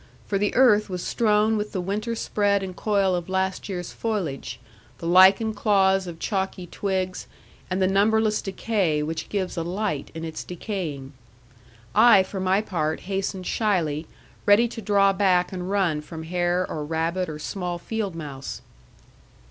For the earth was strown with the winter spread and coil of last year's foliage, the lichened claws of chalky twigs, and the numberless decay which gives a light in its decaying. I, for my part, hastened shyly, ready to draw back and run from hare, or rabbit, or small field mouse.